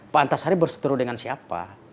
pak antasari berseteru dengan siapa